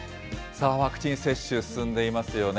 ワクチン接種進んでいますよね。